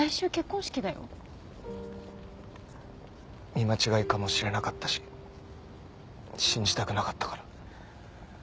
見間違いかもしれなかったし信じたくなかったから。